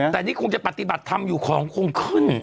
แต่นี่คงจะปฏิบัติธรรมอยู่ของคงขึ้น